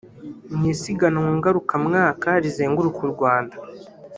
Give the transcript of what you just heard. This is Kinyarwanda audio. Mu isiganwa ngarukamwaka rizenguruka u Rwanda